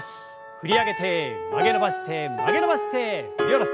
振り上げて曲げ伸ばして曲げ伸ばして振り下ろす。